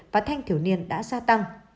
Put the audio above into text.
và thanh thiểu niên đã gia tăng